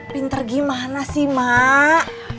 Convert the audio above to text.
pinter gimana sih mak